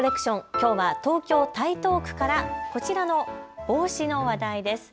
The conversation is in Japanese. きょうは東京台東区からこちらの帽子の話題です。